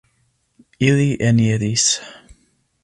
Ili eniris.